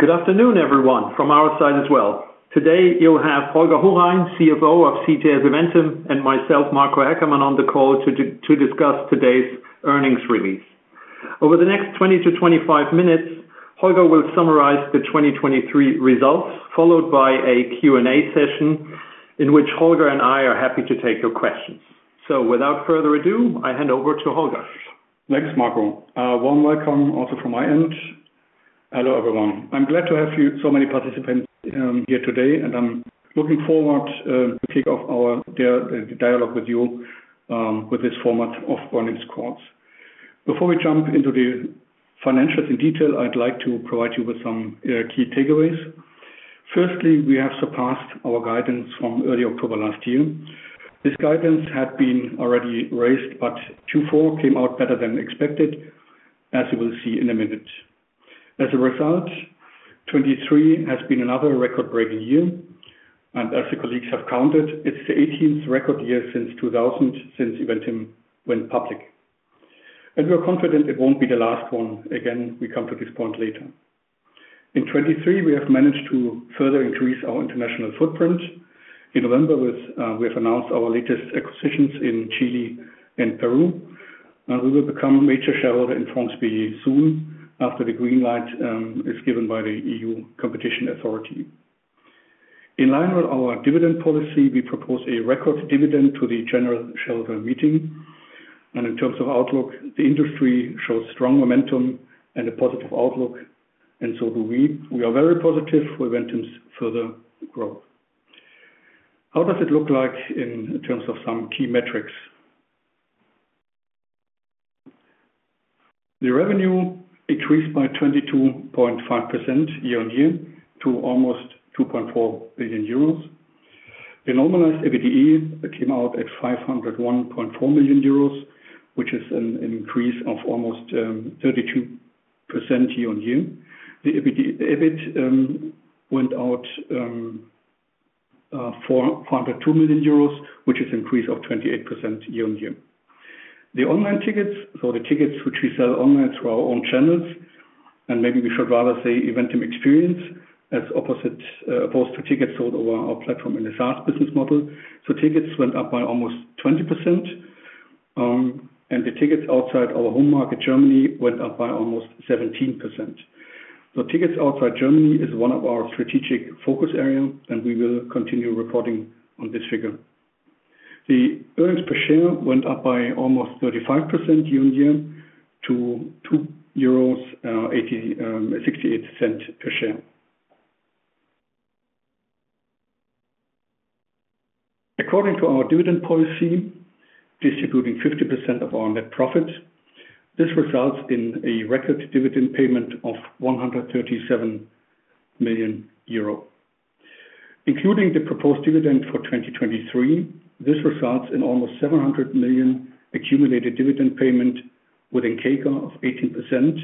Good afternoon, everyone, from our side as well. Today you'll have Holger Hohrein, CFO of CTS Eventim, and myself, Marco Haeckermann, on the call to discuss today's earnings release. Over the next 20-25 minutes, Holger will summarize the 2023 results, followed by a Q&A session in which Holger and I are happy to take your questions. So without further ado, I hand over to Holger. Thanks, Marco. Warm welcome also from my end. Hello everyone. I'm glad to have you so many participants here today, and I'm looking forward to kick off our dialogue with you with this format of earnings calls. Before we jump into the financials in detail, I'd like to provide you with some key takeaways. Firstly, we have surpassed our guidance from early October last year. This guidance had been already raised, but Q4 came out better than expected, as you will see in a minute. As a result, 2023 has been another record-breaking year, and as the colleagues have counted, it's the 18th record year since 2000 since Eventim went public. We're confident it won't be the last one. Again, we come to this point later. In 2023, we have managed to further increase our international footprint. In November, we have announced our latest acquisitions in Chile and Peru, and we will become major shareholder in France Billet soon after the green light is given by the EU Competition Authority. In line with our dividend policy, we propose a record dividend to the general shareholder meeting. In terms of outlook, the industry shows strong momentum and a positive outlook, and so do we. We are very positive for Eventim's further growth. How does it look like in terms of some key metrics? The revenue increased by 22.5% year-over-year to almost € 2.4 billion. The normalized EBITDA came out at €501.4 million, which is an increase of almost 32% year-over-year. The EBIT came out at €402 million, which is an increase of 28% year-over-year. The online tickets, so the tickets which we sell online through our own channels, and maybe we should rather say Eventim Experience, as opposed to tickets sold over our platform in the SaaS business model. So tickets went up by almost 20%, and the tickets outside our home market, Germany, went up by almost 17%. So tickets outside Germany is one of our strategic focus areas, and we will continue reporting on this figure. The earnings per share went up by almost 35% year-on-year to 2.8068 € per share. According to our dividend policy, distributing 50% of our net profit, this results in a record dividend payment of € 137 million. Including the proposed dividend for 2023, this results in almost € 700 million accumulated dividend payment with a CAGR of 18%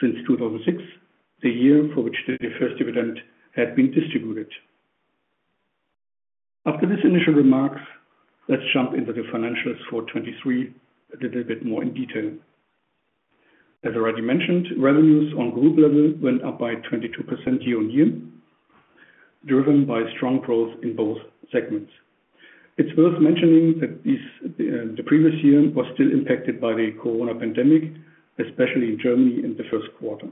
since 2006, the year for which the first dividend had been distributed. After these initial remarks, let's jump into the financials for 2023 a little bit more in detail. As already mentioned, revenues on group level went up by 22% year-over-year, driven by strong growth in both segments. It's worth mentioning that these, the previous year was still impacted by the corona pandemic, especially in Germany in the first quarter.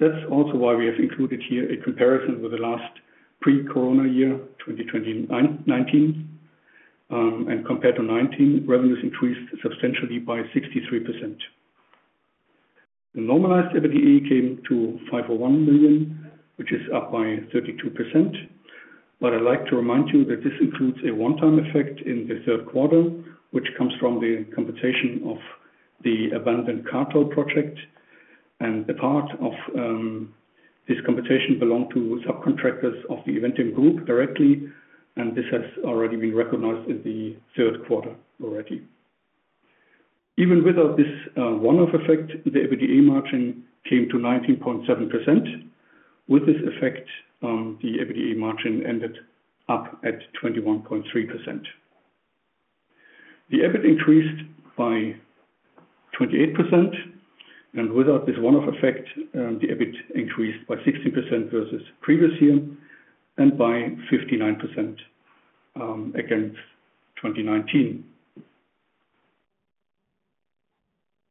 That's also why we have included here a comparison with the last pre-corona year, 2019, and compared to 2019, revenues increased substantially by 63%. The normalized EBITDA came to€ 501 million, which is up by 32%, but I'd like to remind you that this includes a one-time effect in the third quarter, which comes from the compensation of the Bundeskartellamt project, and a part of, this compensation belonged to subcontractors of the Eventim Group directly, and this has already been recognized in the third quarter already. Even without this one-off effect, the EBITDA margin came to 19.7%. With this effect, the EBITDA margin ended up at 21.3%. The EBIT increased by 28%, and without this one-off effect, the EBIT increased by 16% versus previous year and by 59%, against 2019.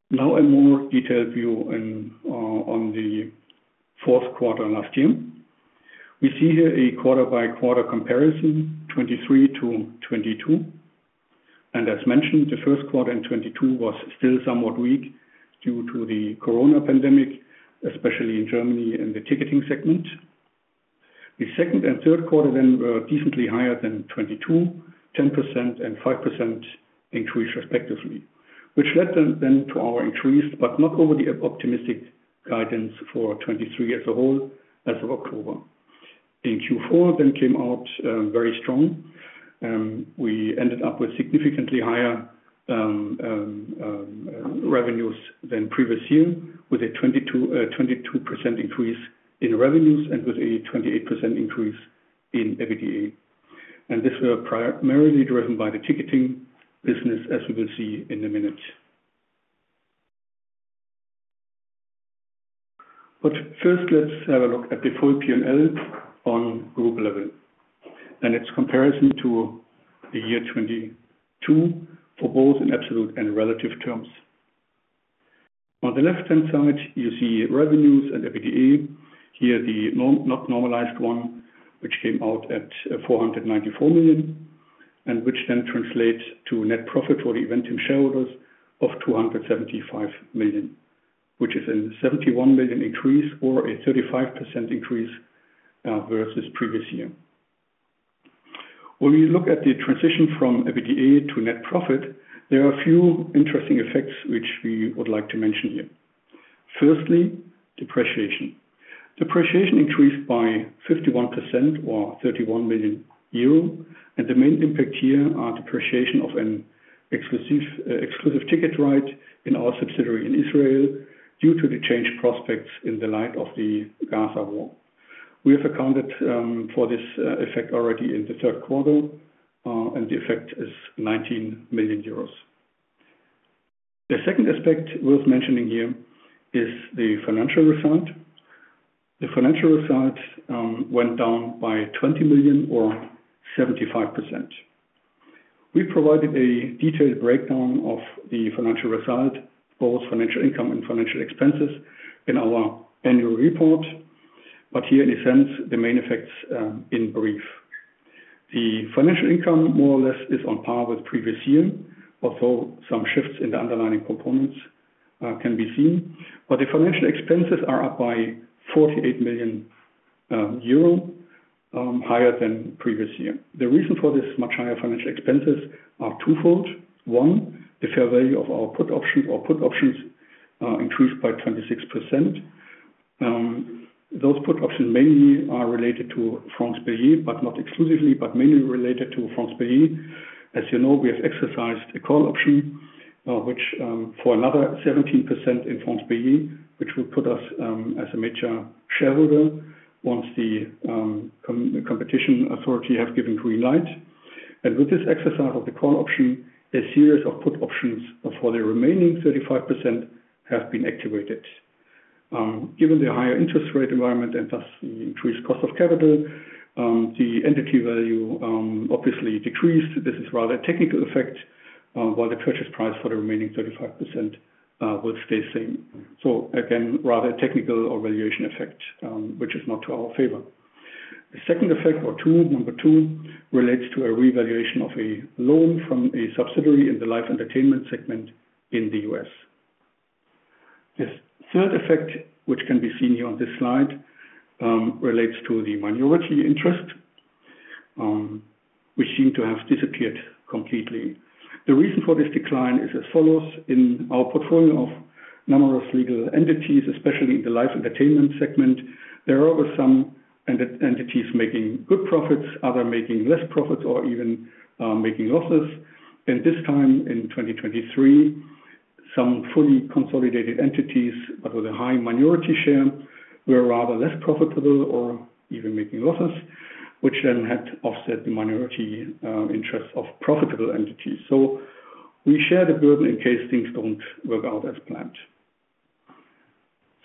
Now a more detailed view on the fourth quarter last year. We see here a quarter-by-quarter comparison, 2023 to 2022. As mentioned, the first quarter in 2022 was still somewhat weak due to the corona pandemic, especially in Germany in the ticketing segment. The second and third quarter then were decently higher than 2022, 10% and 5% increase respectively, which led then to our increased but not overly optimistic guidance for 2023 as a whole as of October. In Q4, then, came out very strong. We ended up with significantly higher revenues than previous year, with a 22% increase in revenues and with a 28% increase in EBITDA. This were primarily driven by the ticketing business, as we will see in a minute. But first, let's have a look at the full P&L on group level and its comparison to the year 2022 for both in absolute and relative terms. On the left-hand side, you see revenues and EBITDA. Here, the non-normalized one, which came out at€ 494 million and which then translates to net profit for the Eventim shareholders of € 275 million, which is a € 71 million increase or a 35% increase, versus previous year. When we look at the transition from EBITDA to net profit, there are a few interesting effects which we would like to mention here. Firstly, depreciation. Depreciation increased by 51% or € 31 million, and the main impact here is depreciation of an exclusive, exclusive ticket right in our subsidiary in Israel due to the change prospects in the light of the Gaza war. We have accounted for this effect already in the third quarter, and the effect is € 19 million. The second aspect worth mentioning here is the financial result. The financial result went down by € 20 million or 75%. We provided a detailed breakdown of the financial result, both financial income and financial expenses, in our annual report, but here in a sense, the main effects, in brief. The financial income more or less is on par with previous year, although some shifts in the underlying components can be seen. But the financial expenses are up by € 48 million higher than previous year. The reason for these much higher financial expenses is twofold. One, the fair value of our put options or put options increased by 26%. Those put options mainly are related to France Billet but not exclusively, but mainly related to France Billet. As you know, we have exercised a call option, which, for another 17% in France Billet, which would put us as a major shareholder once the competition authority has given green light. And with this exercise of the call option, a series of put options for the remaining 35% have been activated. Given the higher interest rate environment and thus the increased cost of capital, the entity value obviously decreased. This is rather a technical effect, while the purchase price for the remaining 35% will stay same. So again, rather a technical or valuation effect, which is not to our favor. The second effect or 2, number 2, relates to a revaluation of a loan from a subsidiary in the Live Entertainment segment in the U.S. The third effect, which can be seen here on this slide, relates to the minority interest, which seem to have disappeared completely. The reason for this decline is as follows. In our portfolio of numerous legal entities, especially in the Live Entertainment segment, there are always some entities making good profits, others making less profits, or even making losses. This time in 2023, some fully consolidated entities but with a high minority share were rather less profitable or even making losses, which then had offset the minority interests of profitable entities. We share the burden in case things don't work out as planned.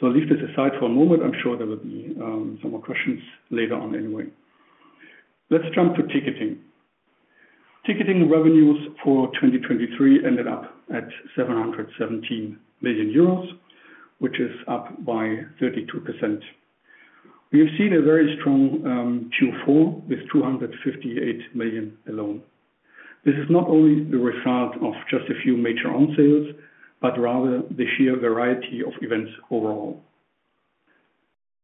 I'll leave this aside for a moment. I'm sure there will be some more questions later on anyway. Let's jump to ticketing. Ticketing revenues for 2023 ended up at € 717 million, which is up by 32%. We have seen a very strong Q4 with € 258 million alone. This is not only the result of just a few major on-sales but rather the sheer variety of events overall.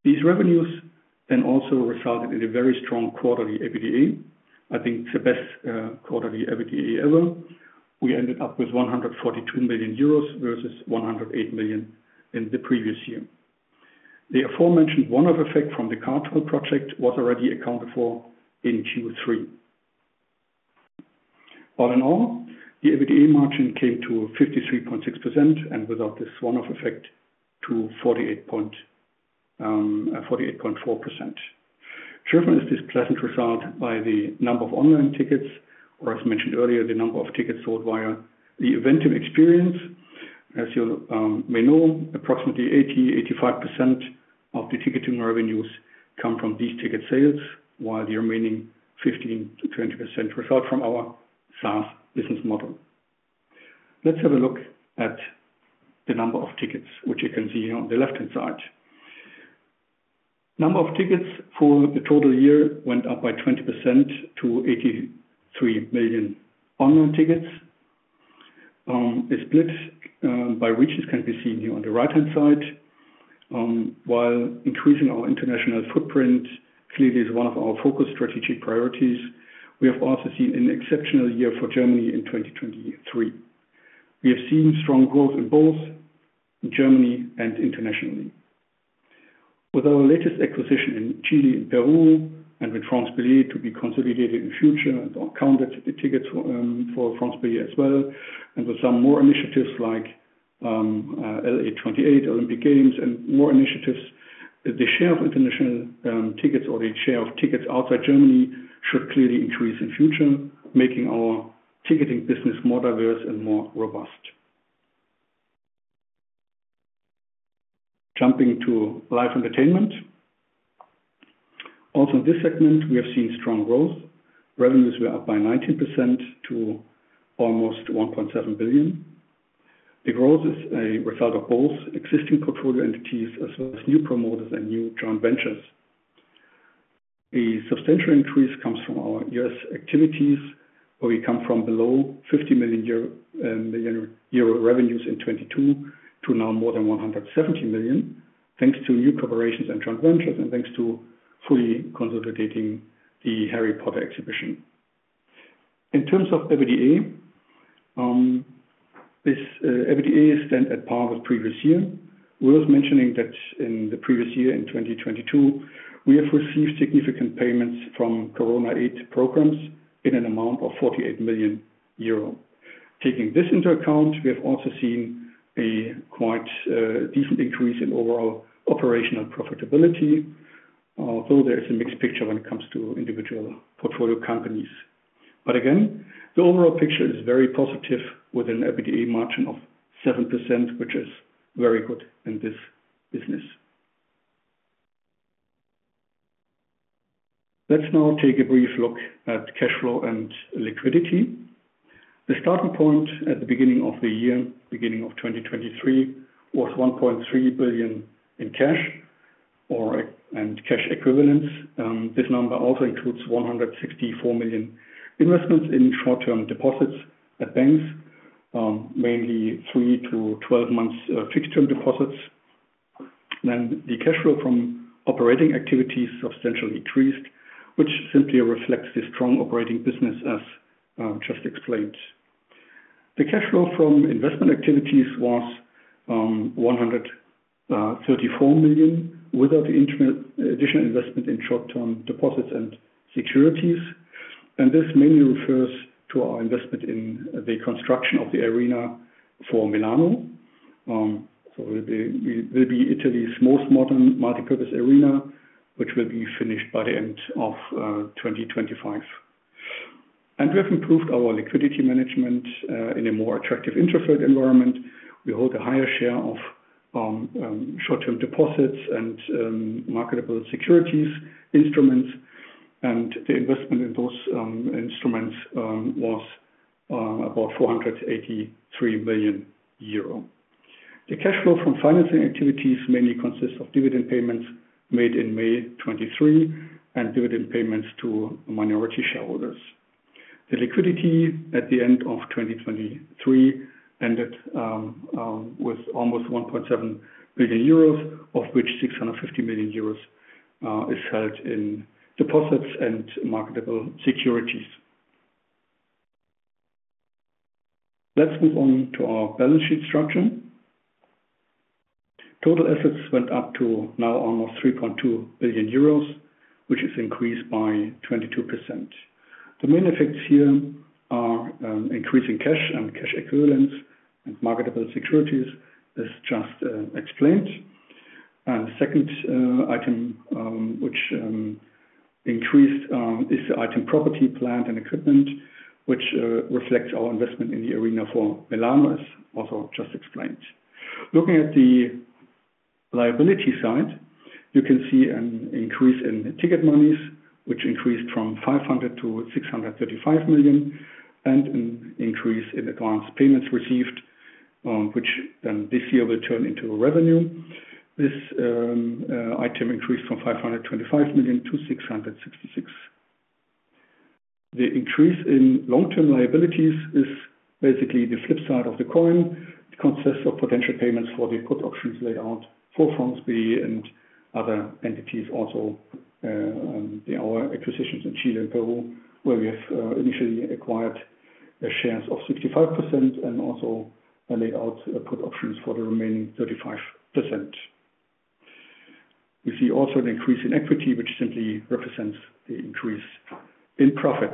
These revenues then also resulted in a very strong quarterly EBITDA. I think it's the best quarterly EBITDA ever. We ended up with € 142 million versus € 108 million in the previous year. The aforementioned one-off effect from the Cartel project was already accounted for in Q3. All in all, the EBITDA margin came to 53.6% and without this one-off effect to 48.4%. Driven is this pleasant result by the number of online tickets or, as mentioned earlier, the number of tickets sold via the Eventim Experience. As you may know, approximately 80%-85% of the ticketing revenues come from these ticket sales, while the remaining 15%-20% result from our SaaS business model. Let's have a look at the number of tickets, which you can see here on the left-hand side. Number of tickets for the total year went up by 20% to 83 million online tickets. A split by regions can be seen here on the right-hand side. While increasing our international footprint clearly is one of our focus strategic priorities, we have also seen an exceptional year for Germany in 2023. We have seen strong growth in both Germany and Internationally. With our latest acquisition in Chile and Peru and with France Billet to be consolidated in the future and accounted for the tickets for, for France Billet as well and with some more initiatives like, LA28 Olympic Games, and more initiatives, the share of international, tickets or the share of tickets outside Germany should clearly increase in the future, making our ticketing business more diverse and more robust. Jumping to Live Entertainment. Also in this segment, we have seen strong growth. Revenues were up by 19% to almost € 1.7 billion. The growth is a result of both existing portfolio entities as well as new promoters and new joint ventures. A substantial increase comes from our U.S. activities, where we come from below 50 million euro, million euro revenues in 2022 to now more than € 170 million, thanks to new corporations and joint ventures and thanks to fully consolidating the Harry Potter: The Exhibition. In terms of EBITDA, this EBITDA stands at par with previous year. Worth mentioning that in the previous year, in 2022, we have received significant payments from corona aid programs in an amount of € 48 million. Taking this into account, we have also seen a quite decent increase in overall operational profitability, although there is a mixed picture when it comes to individual portfolio companies. But again, the overall picture is very positive with an EBITDA margin of 7%, which is very good in this business. Let's now take a brief look at cash flow and liquidity. The starting point at the beginning of the year, beginning of 2023, was € 1.3 billion in cash and cash equivalents. This number also includes € 164 million investments in short-term deposits at banks, mainly 3-12 months, fixed-term deposits. Then the cash flow from operating activities substantially increased, which simply reflects the strong operating business as just explained. The cash flow from investment activities was € 100.34 million without the intermittent additional investment in short-term deposits and securities. This mainly refers to our investment in the construction of the arena for Milano. So it will be Italy's most modern multipurpose arena, which will be finished by the end of 2025. We have improved our liquidity management in a more attractive interest rate environment. We hold a higher share of short-term deposits and marketable securities instruments. The investment in those instruments was about € 483 million. The cash flow from financing activities mainly consists of dividend payments made in May 2023 and dividend payments to minority shareholders. The liquidity at the end of 2023 ended with almost € 1.7 billion, of which € 650 million is held in deposits and marketable securities. Let's move on to our balance sheet structure. Total assets went up to now almost € 3.2 billion, which is increased by 22%. The main effects here are increasing cash and cash equivalents and marketable securities, as just explained. The second item, which increased, is the item property, plant, and equipment, which reflects our investment in the arena for Milano, as also just explained. Looking at the liability side, you can see an increase in ticket monies, which increased from € 500 million-€ 635 million, and an increase in advance payments received, which then this year will turn into revenue. This item increased from € 525 million to € 666 million. The increase in long-term liabilities is basically the flip side of the coin. It consists of potential payments for the put options laid out for France Billet and other entities also, our acquisitions in Chile and Peru, where we have initially acquired shares of 65% and also laid out put options for the remaining 35%. We see also an increase in equity, which simply represents the increase in profit.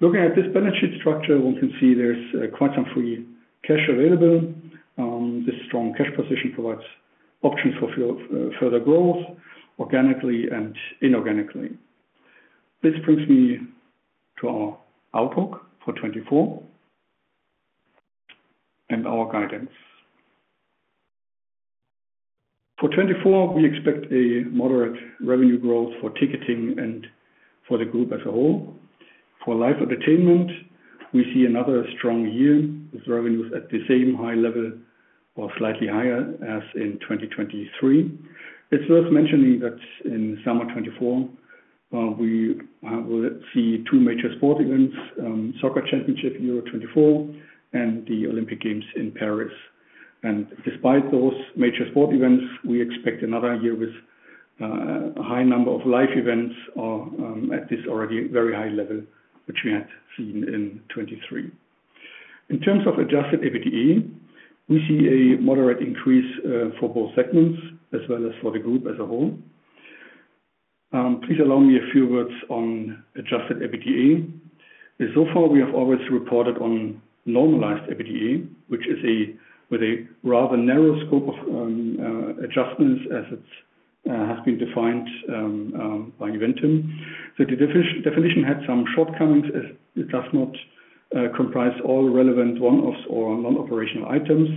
Looking at this balance sheet structure, one can see there's quite some free cash available. This strong cash position provides options for further growth organically and inorganically. This brings me to our outlook for 2024 and our guidance. For 2024, we expect a moderate revenue growth for ticketing and for the group as a whole. For Live Entertainment, we see another strong year with revenues at the same high level or slightly higher as in 2023. It's worth mentioning that in summer 2024, we will see two major sport events, Soccer Championship Euro 2024 and the Olympic Games in Paris. Despite those major sport events, we expect another year with a high number of live events or at this already very high level, which we had seen in 2023. In terms of adjusted EBITDA, we see a moderate increase for both segments as well as for the group as a whole. Please allow me a few words on adjusted EBITDA. So far, we have always reported on normalized EBITDA, which is with a rather narrow scope of adjustments as it has been defined by Eventim. The definition had some shortcomings as it does not comprise all relevant one-offs or non-operational items.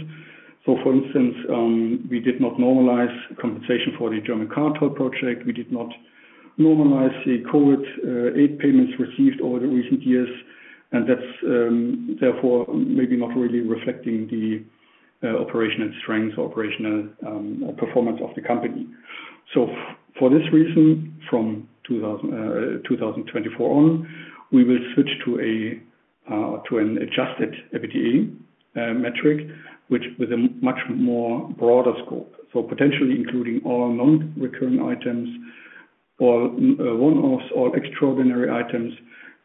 For instance, we did not normalize compensation for the German Cartel project. We did not normalize the COVID aid payments received over the recent years. That's, therefore, maybe not really reflecting the operational strengths or operational or performance of the company. So for this reason, from 2024 on, we will switch to an adjusted EBITDA metric, which with a much more broader scope, so potentially including all non-recurring items, all one-offs, all extraordinary items,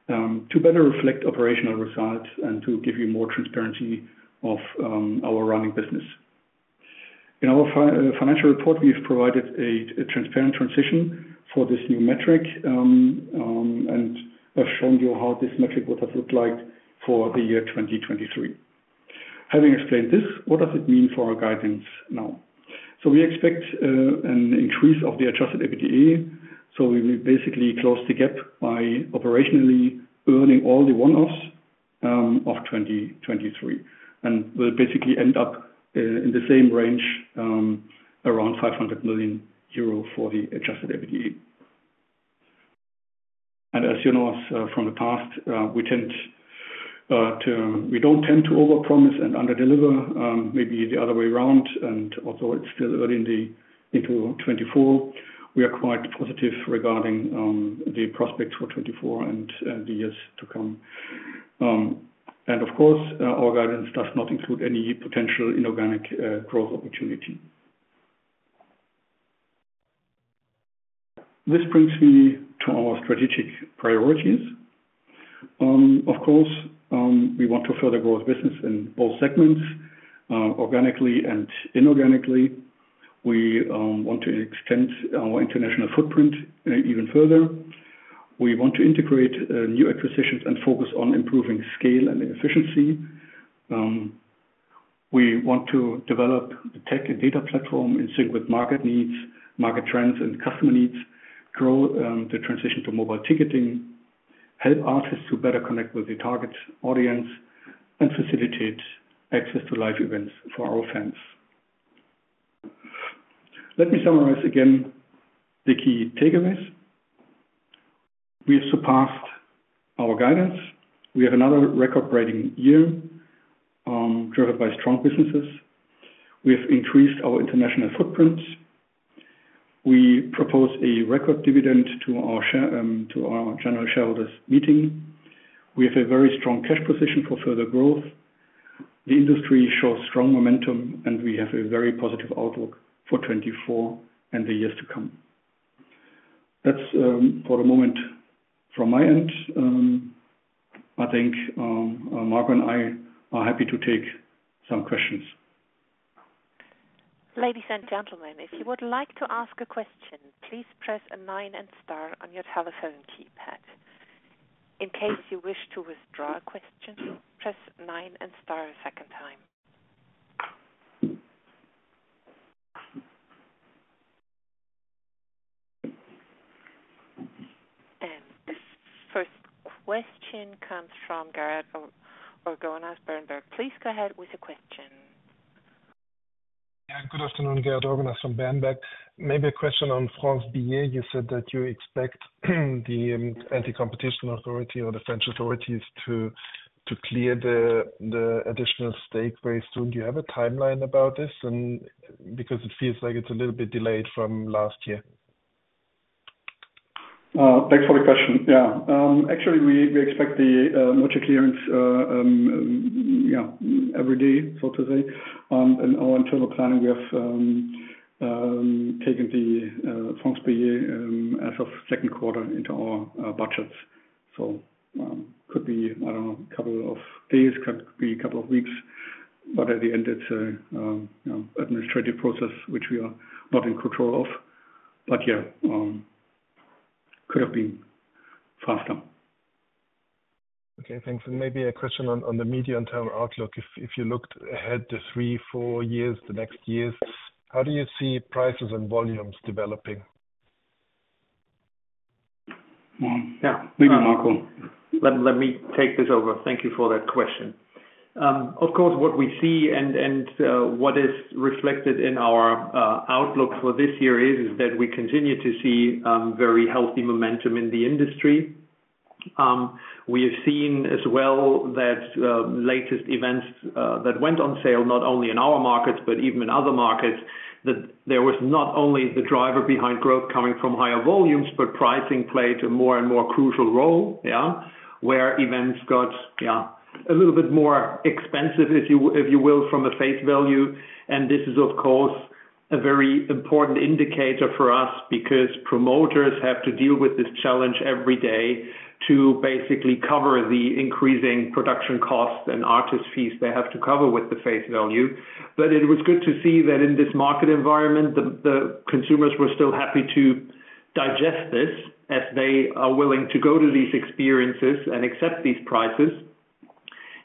to better reflect operational results and to give you more transparency of our running business. In our financial report, we have provided a transparent transition for this new metric, and have shown you how this metric would have looked like for the year 2023. Having explained this, what does it mean for our guidance now? So we expect an increase of the adjusted EBITDA. So we will basically close the gap by operationally earning all the one-offs of 2023 and will basically end up in the same range, around € 500 million for the Adjusted EBITDA. And as you know, as from the past, we tend to we don't tend to overpromise and underdeliver, maybe the other way around. And although it's still early in the into 2024, we are quite positive regarding the prospects for 2024 and the years to come. And of course, our guidance does not include any potential inorganic growth opportunity. This brings me to our strategic priorities. Of course, we want to further grow the business in both segments, organically and inorganically. We want to extend our international footprint even further. We want to integrate new acquisitions and focus on improving scale and efficiency. We want to develop the tech and data platform in sync with market needs, market trends, and customer needs, grow the transition to mobile ticketing, help artists to better connect with the target audience, and facilitate access to live events for our fans. Let me summarize again the key takeaways. We have surpassed our guidance. We have another record-breaking year, driven by strong businesses. We have increased our international footprint. We propose a record dividend to our shareholders' meeting. We have a very strong cash position for further growth. The industry shows strong momentum, and we have a very positive outlook for 2024 and the years to come. That's, for the moment, from my end. I think Marco and I are happy to take some questions. Ladies and gentlemen, if you would like to ask a question, please press a 9 and star on your telephone keypad. In case you wish to withdraw a question, press 9 and star a second time. And this first question comes from Gerhard Orgonas from Berenberg. Please go ahead with your question. Yeah. Good afternoon, Gerhard Orgonas from Berenberg. Maybe a question on France Billet. You said that you expect the anti-competition authority or the French authorities to clear the additional stake very soon. Do you have a timeline about this? And because it feels like it's a little bit delayed from last year? Thanks for the question. Yeah. Actually, we expect the merger clearance every day, so to say. In our internal planning, we have taken the France Billet as of second quarter into our budgets. So, could be, I don't know, a couple of days, could be a couple of weeks. But at the end, it's a, you know, administrative process, which we are not in control of. But yeah, could have been faster. Okay. Thanks. And maybe a question on the medium-term outlook. If you looked ahead to three, four years, the next years, how do you see prices and volumes developing? Yeah. Maybe Marco. Let me take this over. Thank you for that question. Of course, what we see and what is reflected in our outlook for this year is that we continue to see very healthy momentum in the industry. We have seen as well that latest events that went on sale, not only in our markets but even in other markets, that there was not only the driver behind growth coming from higher volumes, but pricing played a more and more crucial role, yeah, where events got, yeah, a little bit more expensive, if you if you will, from a face value. And this is, of course, a very important indicator for us because promoters have to deal with this challenge every day to basically cover the increasing production costs and artist fees they have to cover with the face value. But it was good to see that in this market environment, the consumers were still happy to digest this as they are willing to go to these experiences and accept these prices.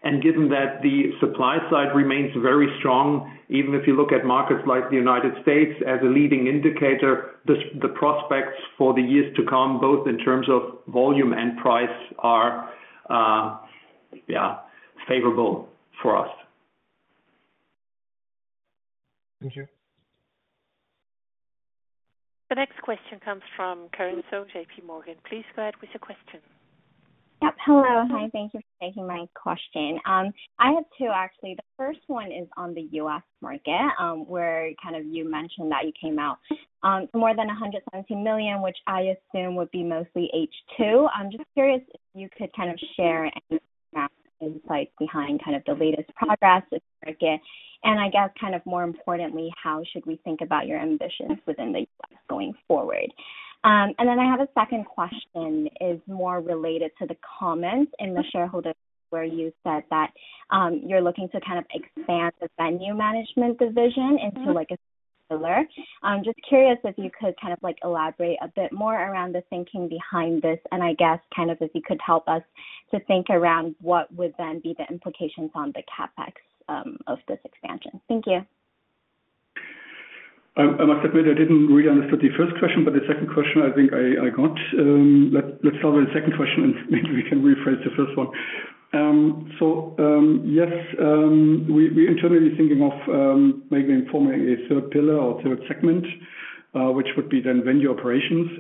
And given that the supply side remains very strong, even if you look at markets like the United States as a leading indicator, the prospects for the years to come, both in terms of volume and price, are, yeah, favorable for us. Thank you. The next question comes from Karin So, JPMorgan. Please go ahead with your question. Yep. Hello. Hi. Thank you for taking my question. I have two, actually. The first one is on the US market, where kind of you mentioned that you came out to more than 117 million, which I assume would be mostly H2. I'm just curious if you could kind of share any insights behind kind of the latest progress in the market. And I guess, kind of more importantly, how should we think about your ambitions within the U.S. going forward? And then I have a second question is more related to the comments in the shareholder letter where you said that, you're looking to kind of expand the venue management division into, like, a pillar. I'm just curious if you could kind of, like, elaborate a bit more around the thinking behind this. And I guess kind of if you could help us to think around what would then be the implications on the CapEx of this expansion. Thank you. I must admit I didn't really understand the first question. But the second question, I think I got. Let's start with the second question, and maybe we can rephrase the first one. So, yes, we internally are thinking of maybe forming a third pillar or third segment, which would be then venue operations.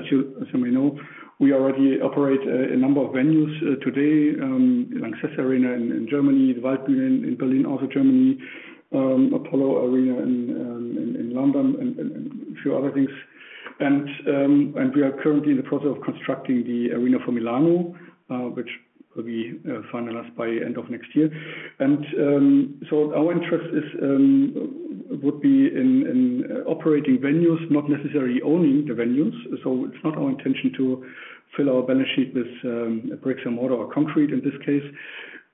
As you may know, we already operate a number of venues today, LANXESS arena in Germany, the Waldbühne in Berlin, also Germany, Eventim Apollo in London, and a few other things. We are currently in the process of constructing the Arena Santa Giulia, which will be finalized by the end of next year. So our interest would be in operating venues, not necessarily owning the venues. So it's not our intention to fill our balance sheet with bricks and mortar or concrete in this case.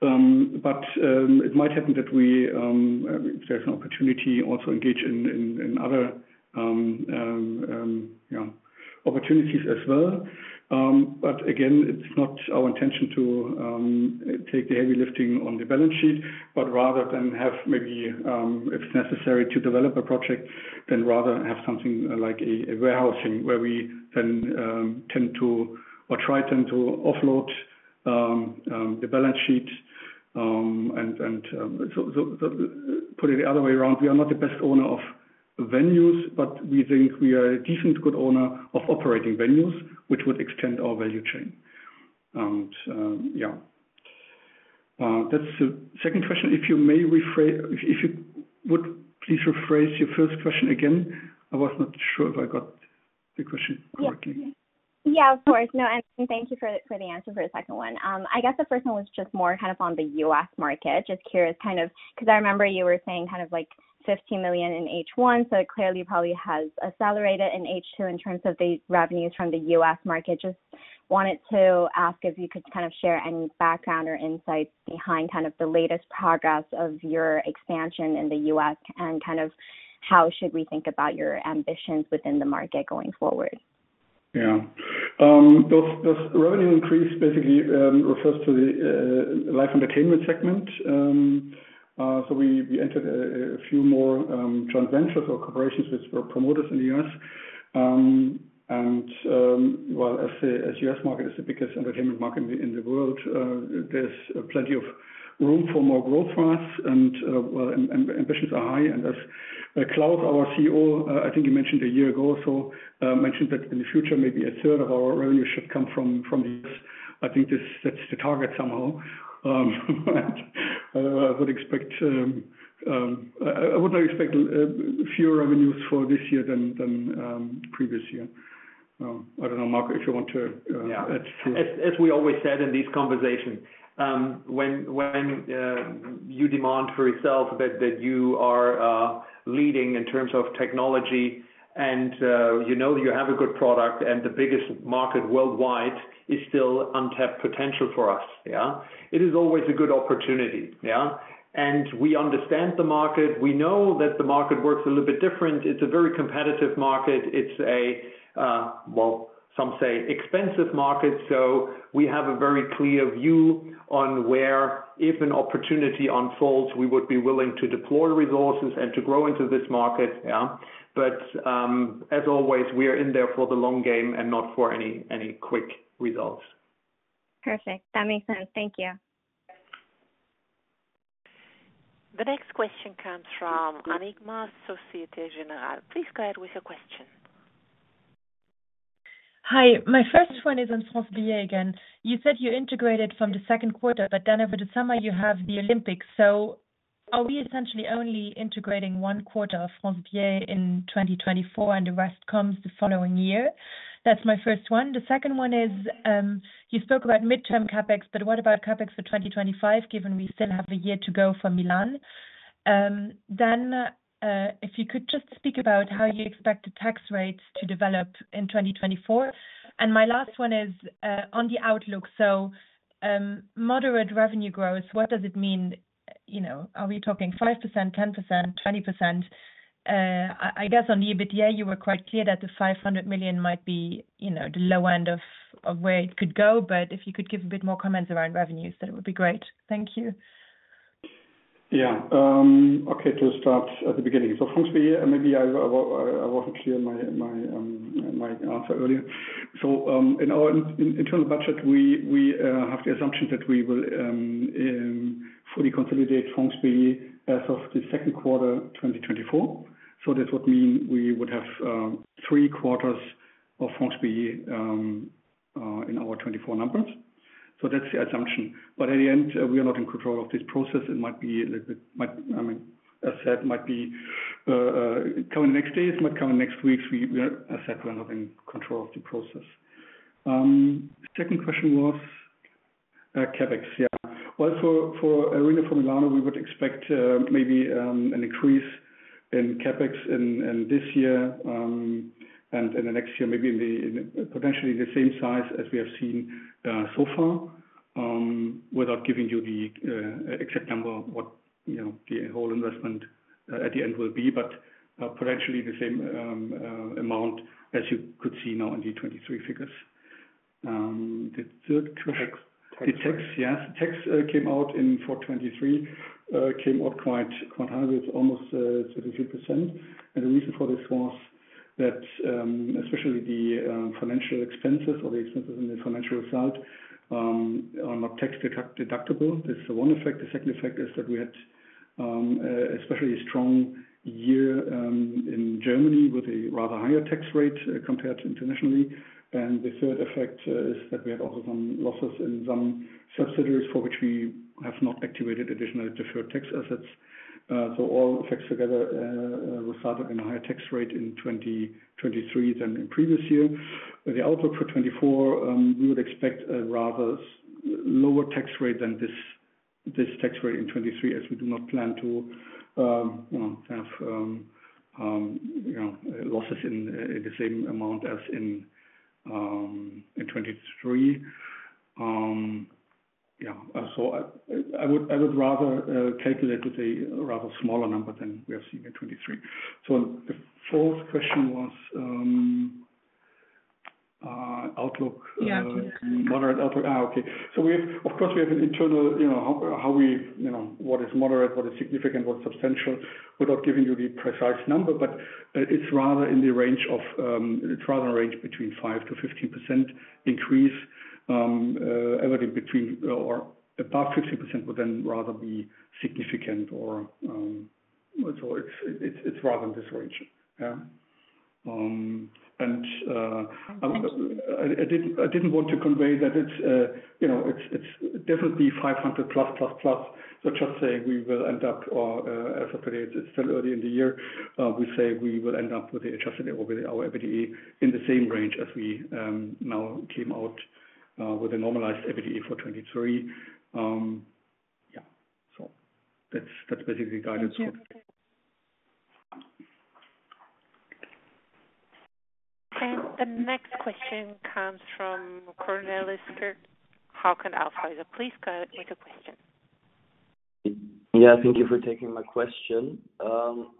But it might happen that we, if there's an opportunity, also engage in other opportunities as well. But again, it's not our intention to take the heavy lifting on the balance sheet, but rather than have maybe, if necessary to develop a project, then rather have something like a warehousing where we then tend to or try to offload the balance sheet. And so put it the other way around. We are not the best owner of venues, but we think we are a decent good owner of operating venues, which would extend our value chain. And yeah. That's the second question. If you would, please rephrase your first question again. I was not sure if I got the question correctly. Yeah. Yeah. Of course. No. And thank you for the answer for the second one. I guess the first one was just more kind of on the U.S. market. Just curious, kind of, because I remember you were saying kind of like€ 15 million in H1. So it clearly probably has accelerated in H2 in terms of the revenues from the U.S. market. Just wanted to ask if you could kind of share any background or insights behind kind of the latest progress of your expansion in the U.S. and kind of how should we think about your ambitions within the market going forward? Yeah. The revenue increase basically refers to the live entertainment segment. So we entered a few more joint ventures or corporations with promoters in the U.S. And well, as the U.S. market is the biggest entertainment market in the world, there's plenty of room for more growth for us. And well, ambitions are high. As Klaus, our CEO, I think he mentioned a year ago or so, mentioned that in the future, maybe a third of our revenue should come from this. I think that's the target somehow. I would expect I would not expect fewer revenues for this year than previous year. I don't know, Marco, if you want to add to. Yeah. As we always said in this conversation, when you demand for yourself that you are leading in terms of technology and that you have a good product, and the biggest market worldwide is still untapped potential for us, yeah, it is always a good opportunity, yeah. And we understand the market. We know that the market works a little bit different. It's a, well, some say expensive market. So we have a very clear view on where, if an opportunity unfolds, we would be willing to deploy resources and to grow into this market, yeah. But, as always, we are in there for the long game and not for any quick results. Perfect. That makes sense. Thank you. The next question comes from Annick Maas, Société Générale. Please go ahead with your question. Hi. My first one is on France Billet again. You said you integrated from the second quarter, but then over the summer, you have the Olympics. So are we essentially only integrating one quarter of France Billet in 2024, and the rest comes the following year? That's my first one. The second one is, you spoke about mid-term CapEx, but what about CapEx for 2025, given we still have a year to go for Milan? Then, if you could just speak about how you expect the tax rates to develop in 2024. And my last one is, on the outlook. So, moderate revenue growth, what does it mean? You know, are we talking 5%, 10%, 20%? I guess on the EBITDA, you were quite clear that the € 500 million might be, the low end of where it could go. But if you could give a bit more comments around revenues, that would be great. Thank you. Yeah, okay. To start at the beginning. So France Billet, maybe I wasn't clear in my answer earlier. So, in our internal budget, we have the assumption that we will fully consolidate France Billet as of the second quarter 2024. So that would mean we would have three quarters of France Billet in our 2024 numbers. So that's the assumption. But at the end, we are not in control of this process. It might be a little bit, I mean, as said, might come in the next days, might come in the next weeks. We are, as said, not in control of the process. The second question was CapEx. Yeah. Well, for Arena for Milano, we would expect maybe an increase in CapEx in this year and in the next year, maybe in potentially the same size as we have seen so far, without giving you the exact number, you know, what the whole investment at the end will be, but potentially the same amount as you could see now in the 2023 figures. The third question, the tax. Yes. The tax came out in Q4 2023 came out quite high. It was almost 33%. And the reason for this was that, especially the financial expenses or the expenses in the financial result, are not tax deductible. That's the one effect. The second effect is that we had especially a strong year in Germany with a rather higher tax rate, compared internationally. And the third effect is that we had also some losses in some subsidiaries for which we have not activated additional deferred tax assets. So all effects together resulted in a higher tax rate in 2023 than in previous year. The outlook for 2024, we would expect a rather lower tax rate than this tax rate in 2023, as we do not plan to, have, you know, losses in the same amount as in 2023. Yeah. So I would rather calculate with a rather smaller number than we have seen in 2023. So the fourth question was outlook. Moderate outlook. Okay. So we have, of course, we have an internal, how we, you know, what is moderate, what is significant, what is substantial without giving you the precise number. But it's rather in the range of, it's rather a range between 5%-15% increase, everything between or above 15% would then rather be significant or, so it's rather in this range. Yeah. I didn't want to convey that it's, you know, it's definitely € 500 plus, plus, plus. So just saying we will end up, as of today, it's still early in the year. We say we will end up with the adjusted or with our EBITDA in the same range as we now came out with a normalized EBITDA for 2023. Yeah. So that's basically the guidance for. The next question comes from Cornelis Kik from AlphaValue. Please go ahead with your question. Yeah. Thank you for taking my question.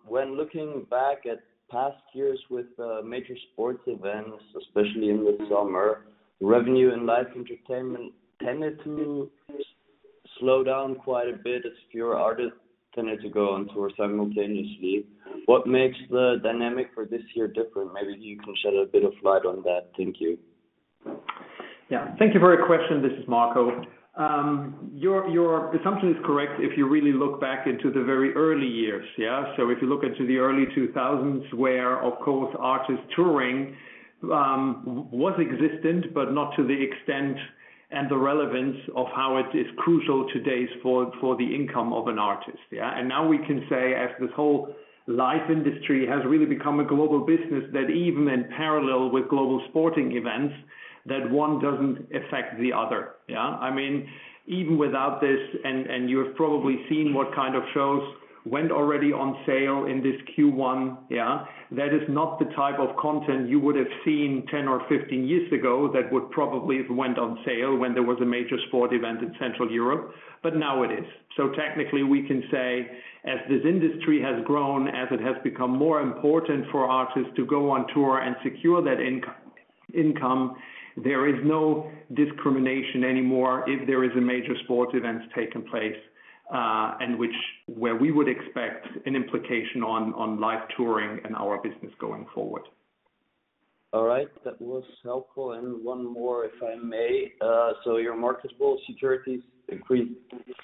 When looking back at past years with major sports events, especially in the summer, revenue and live entertainment tended to slow down quite a bit. It's fewer artists tended to go on tour simultaneously. What makes the dynamic for this year different? Maybe you can shed a bit of light on that. Thank you. Yeah. Thank you for your question. This is Marco. Your assumption is correct if you really look back into the very early years, yeah. So if you look into the early 2000s where, of course, artist touring was existent, but not to the extent and the relevance of how it is crucial today for the income of an artist, yeah. And now we can say, as this whole live industry has really become a global business, that even in parallel with global sporting events, that one doesn't affect the other, yeah. I mean, even without this, and you have probably seen what kind of shows went already on sale in this Q1, yeah, that is not the type of content you would have seen 10 or 15 years ago that would probably have went on sale when there was a major sport event in Central Europe. But now it is. So technically, we can say, as this industry has grown, as it has become more important for artists to go on tour and secure that income, there is no discrimination anymore if there is a major sports event taking place, and which where we would expect an implication on live touring and our business going forward. All right. That was helpful. And one more, if I may. So your marketable securities increased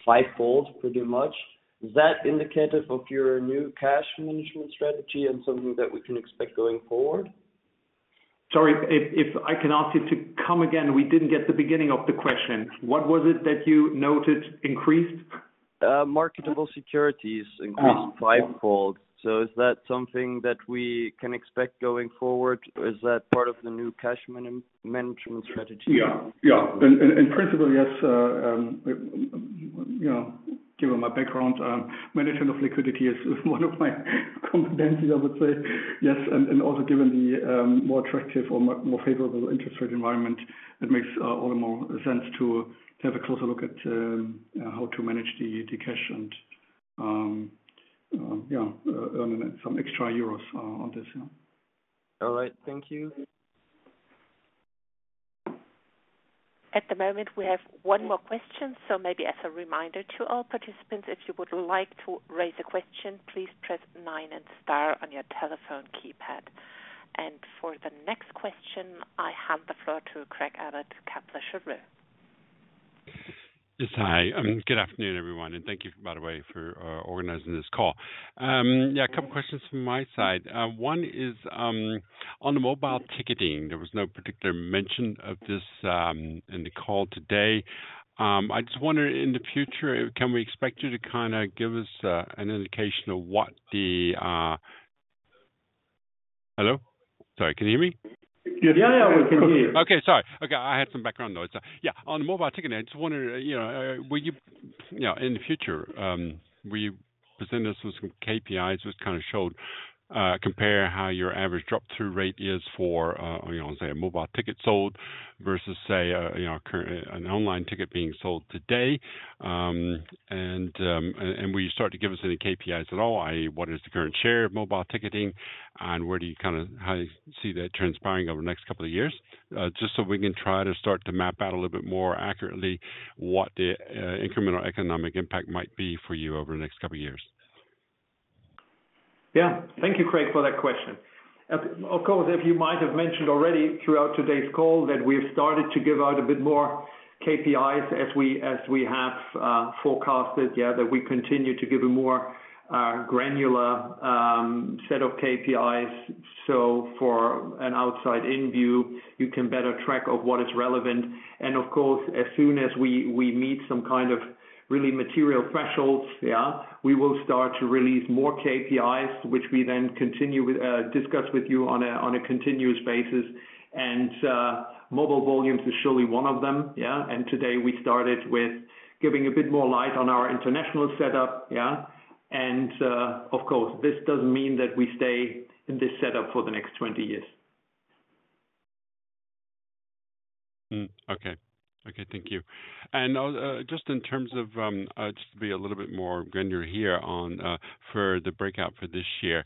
fivefold, pretty much. Is that indicative of your new cash management strategy and something that we can expect going forward? Sorry. If I can ask you to come again, we didn't get the beginning of the question. What was it that you noted increased? Marketable securities increased fivefold. So is that something that we can expect going forward? Is that part of the new cash management strategy? Yeah. Yeah. And principally, yes. You know, given my background, management of liquidity is one of my competencies, I would say. Yes. And also given the more attractive or more favorable interest rate environment, it makes all the more sense to have a closer look at how to manage the cash and, earn some extra euros on this, yeah. All right. Thank you. At the moment, we have one more question. So maybe as a reminder to all participants, if you would like to raise a question, please press 9 and star on your telephone keypad. And for the next question, I hand the floor to Craig Abbott. Yes. Hi. Good afternoon, everyone. And thank you, by the way, for organizing this call. Yeah, a couple of questions from my side. One is on the mobile ticketing. There was no particular mention of this in the call today. I just wonder, in the future, can we expect you to kind of give us an indication of what the—Hello? Sorry. Can you hear me? Yeah. Yeah. Yeah. We can hear you. Okay. Sorry. Okay. I had some background noise. Yeah. On the mobile ticketing, I just wonder, you know, were you, you know, in the future, were you presented us with some KPIs which kind of showed, compare how your average drop-through rate is for, you know, say, a mobile ticket sold versus, say, a current an online ticket being sold today, and were you starting to give us any KPIs at all, i.e., what is the current share of mobile ticketing, and where do you kind of how do you see that transpiring over the next couple of years, just so we can try to start to map out a little bit more accurately what the incremental economic impact might be for you over the next couple of years? Yeah. Thank you, Craig, for that question. Of course, as you might have mentioned already throughout today's call, that we have started to give out a bit more KPIs as we have forecasted, yeah, that we continue to give a more granular set of KPIs. So for an outside-in view, you can better track of what is relevant. And of course, as soon as we meet some kind of really material thresholds, yeah, we will start to release more KPIs, which we then continue with discuss with you on a continuous basis. And mobile volumes is surely one of them, yeah. And today, we started with giving a bit more light on our international setup, yeah. And of course, this doesn't mean that we stay in this setup for the next 20 years. Okay. Thank you. Just in terms of, just to be a little bit more granular here on, for the breakout for this year,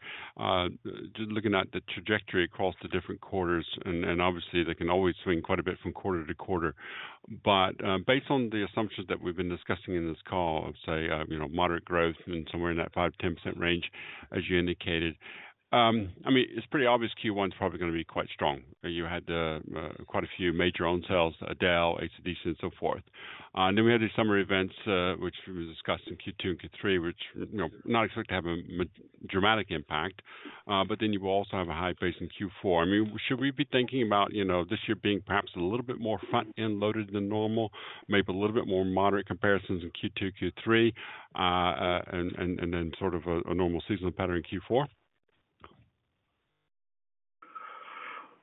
just looking at the trajectory across the different quarters, and, and obviously, they can always swing quite a bit from quarter to quarter. Based on the assumptions that we've been discussing in this call of, say, moderate growth and somewhere in that 5%-10% range, as you indicated, I mean, it's pretty obvious Q1's probably going to be quite strong. You had, quite a few major onsells, adele, AC/DC, and so forth. And then we had these summer events, which we discussed in Q2 and Q3, which, not expect to have a dramatic impact. But then you will also have a high base in Q4. I mean, should we be thinking about, you know, this year being perhaps a little bit more front-end loaded than normal, maybe a little bit more moderate comparisons in Q2, Q3, and then sort of a normal seasonal pattern in Q4?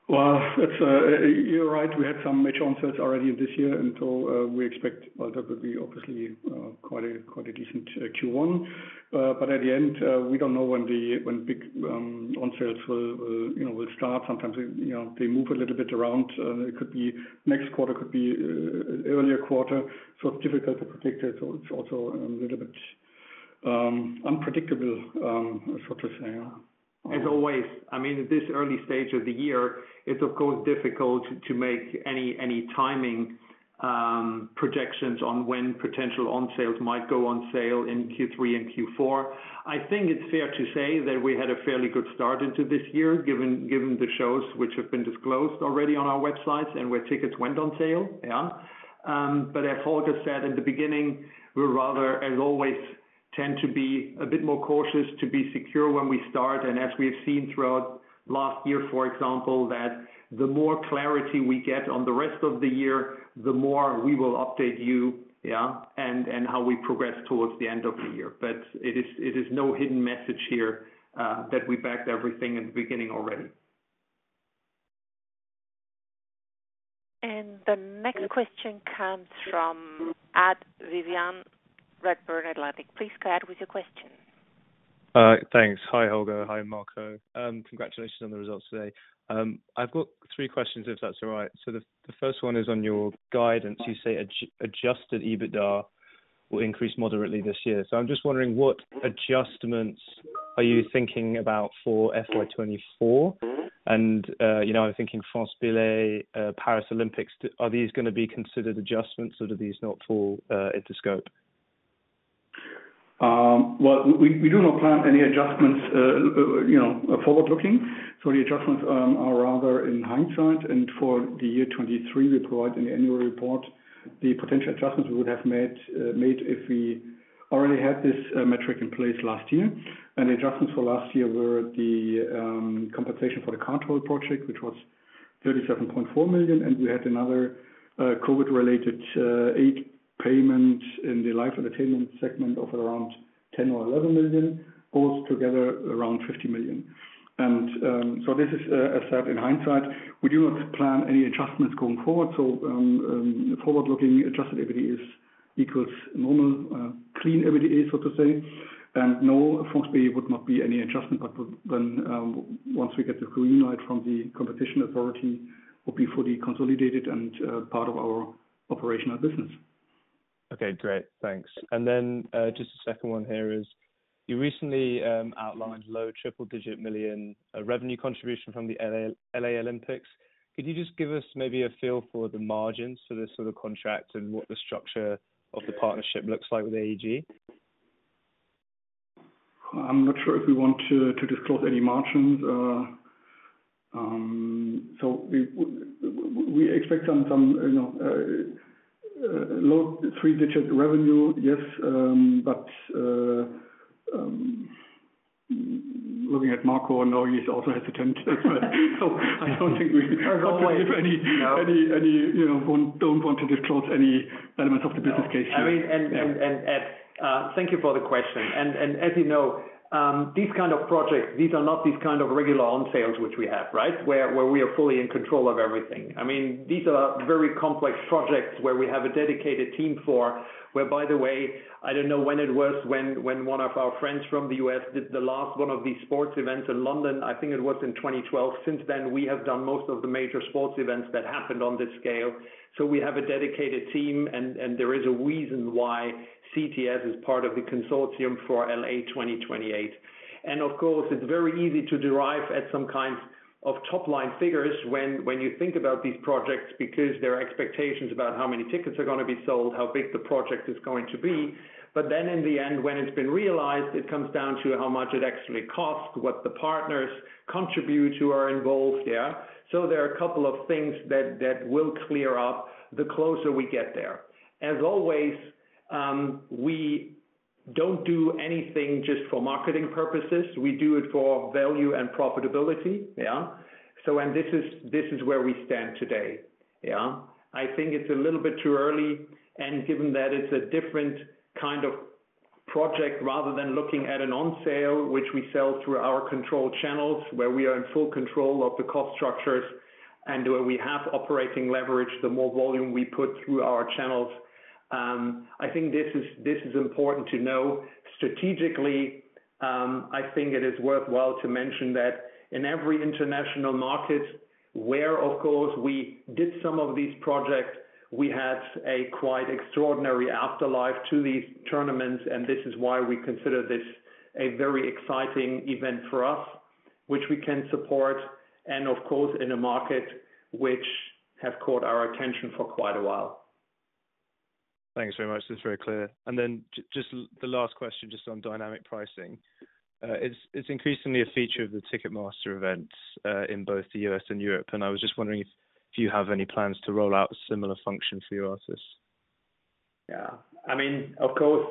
Well, it's, you're right. We had some major onsells already in this year. And so, we expect that would be obviously quite a decent Q1. But at the end, we don't know when the big onsells will, you know, will start. Sometimes, you know, they move a little bit around. And it could be next quarter, could be an earlier quarter. So it's difficult to predict it. So it's also a little bit unpredictable, so to say. Yeah. As always, I mean, at this early stage of the year, it's, of course, difficult to make any timing projections on when potential onsells might go on sale in Q3 and Q4. I think it's fair to say that we had a fairly good start into this year, given the shows which have been disclosed already on our websites and where tickets went on sale, yeah. But as Holger said in the beginning, we rather, as always, tend to be a bit more cautious to be secure when we start. And as we have seen throughout last year, for example, that the more clarity we get on the rest of the year, the more we will update you, yeah, and how we progress towards the end of the year. But it is no hidden message here, that we backed everything at the beginning already. And the next question comes from @Vivian Redburn Atlantic. Please go ahead with your question. Thanks. Hi, Holger. Hi, Marco. Congratulations on the results today. I've got 3 questions, if that's all right. So the first one is on your guidance. You say adjusted EBITDA will increase moderately this year. So I'm just wondering, what adjustments are you thinking about for FY24? And, I'm thinking France Billet, Paris Olympics. Are these going to be considered adjustments, or do these not fall into scope? Well, we do not plan any adjustments, you know, forward-looking. So the adjustments are rather in hindsight. And for the year 2023, we provide an annual report. The potential adjustments we would have made if we already had this metric in place last year. And the adjustments for last year were the compensation for the Cartel project, which was € 37.4 million. And we had another, COVID-related, aid payment in the live entertainment segment of around € 10 million or € 11 million, both together around € 50 million. And, so this is, as said, in hindsight. We do not plan any adjustments going forward. So, forward-looking, adjusted EBITDA equals normal, clean EBITDA, so to say. And no, France Billet would not be any adjustment. But then, once we get the green light from the competition authority, it would be fully consolidated and, part of our operational business. Okay. Great. Thanks. And then, just a second one here is you recently outlined low triple-digit million revenue contribution from the LA Olympics. Could you just give us maybe a feel for the margins for this sort of contract and what the structure of the partnership looks like with AEG? I'm not sure if we want to disclose any margins. So we expect some, you know, low three-digit revenue. Yes. But looking at Marco, I know he's also hesitant. So I don't think we can give any, don't want to disclose any elements of the business case here. I mean, Ed, thank you for the question. And as you know, these kind of projects, these are not these kind of regular onsells which we have, right, where we are fully in control of everything. I mean, these are very complex projects where we have a dedicated team for where, by the way, I don't know when it was when one of our friends from the U.S. did the last one of these sports events in London. I think it was in 2012. Since then, we have done most of the major sports events that happened on this scale. So we have a dedicated team. There is a reason why CTS is part of the consortium for LA 2028. Of course, it's very easy to derive at some kind of top-line figures when you think about these projects because there are expectations about how many tickets are going to be sold, how big the project is going to be. But then in the end, when it's been realized, it comes down to how much it actually costs, what the partners contribute who are involved, yeah. There are a couple of things that will clear up the closer we get there. As always, we don't do anything just for marketing purposes. We do it for value and profitability, yeah. This is where we stand today, yeah. I think it's a little bit too early. And given that it's a different kind of project rather than looking at an on sale, which we sell through our controlled channels where we are in full control of the cost structures and where we have operating leverage, the more volume we put through our channels. I think this is important to know strategically. I think it is worthwhile to mention that in every international market where, of course, we did some of these projects, we had a quite extraordinary afterlife to these tournaments. And this is why we consider this a very exciting event for us, which we can support. And of course, in a market which has caught our attention for quite a while. Thanks very much. That's very clear. And then just the last question just on dynamic pricing. It's increasingly a feature of the Ticketmaster events, in both the U.S. and Europe. I was just wondering if you have any plans to roll out a similar function for your artists. Yeah. I mean, of course,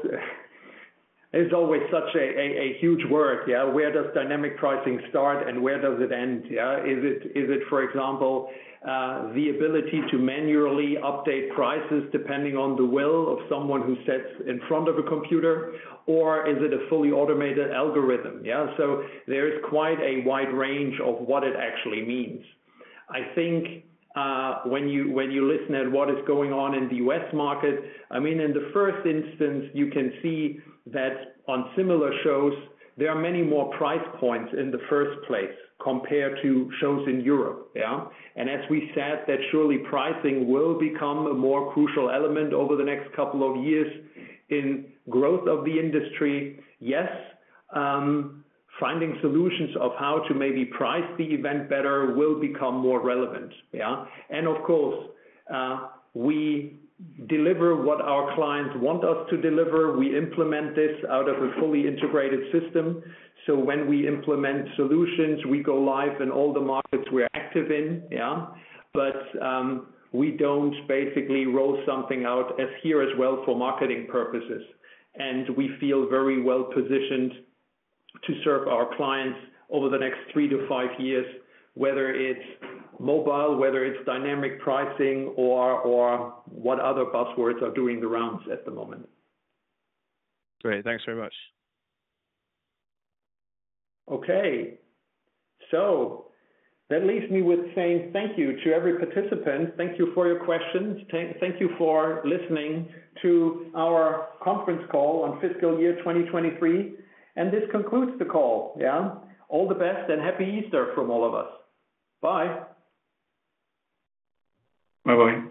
it's always such a huge work, yeah. Where does dynamic pricing start, and where does it end, yeah? Is it, for example, the ability to manually update prices depending on the will of someone who sits in front of a computer? Or is it a fully automated algorithm, yeah? So there is quite a wide range of what it actually means. I think, when you listen at what is going on in the U.S. market, I mean, in the first instance, you can see that on similar shows, there are many more price points in the first place compared to shows in Europe, yeah. As we said, that surely pricing will become a more crucial element over the next couple of years in growth of the industry. Yes. Finding solutions of how to maybe price the event better will become more relevant, yeah. Of course, we deliver what our clients want us to deliver. We implement this out of a fully integrated system. When we implement solutions, we go live in all the markets we're active in, yeah. We don't basically roll something out as here as well for marketing purposes. We feel very well positioned to serve our clients over the next 3-5 years, whether it's mobile, whether it's dynamic pricing, or what other buzzwords are doing the rounds at the moment. Great. Thanks very much. Okay. That leaves me with saying thank you to every participant. Thank you for your questions. Thank you for listening to our conference call on fiscal year 2023. This concludes the call, yeah. All the best and happy Easter from all of us. Bye. Bye-bye.